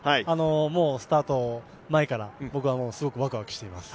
もうスタート前から、僕はすごくわくわくしています。